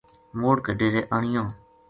موڑ کے ڈیرے آنیو